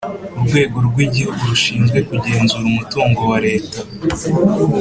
urwego rwigihugu rushinzwe kugenzura umutungo wareta